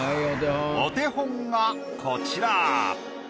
お手本がこちら。